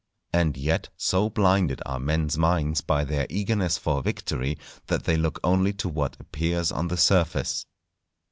And yet, so blinded are men's minds by their eagerness for victory, that they look only to what appears on the surface.